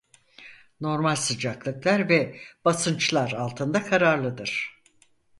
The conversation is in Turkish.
Normal sıcaklıklar ve basınçlar altında kararlıdır.